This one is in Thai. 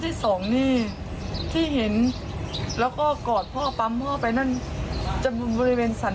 ที่สองนี่ที่เห็นแล้วก็กอดพ่อปั๊มพ่อไปนั่นจำนวนบริเวณสรร